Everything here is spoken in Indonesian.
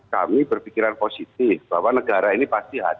kami berpikiran positif bapak menanggapi data dari parpol dan pihak anda